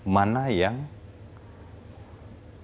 mana yang mungkin terlalu cepat kita bisa mempercayai